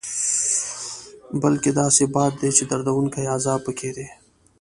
بلکې داسې باد دی چې دردوونکی عذاب پکې دی.